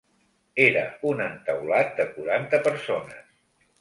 Era un entaulat de quaranta persones.